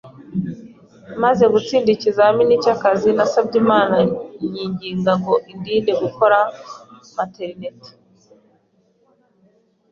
Maze gutsinda ikizamini cy’akazi; Nasabye Imana nyinginga ngo indinde gukora Maternité